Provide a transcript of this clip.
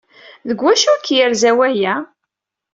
Deg wacu ay k-yerza waya?